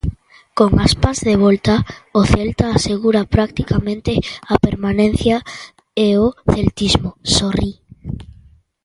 Con Aspas de volta, o Celta asegura practicamente a permanencia e o celtismo sorrí.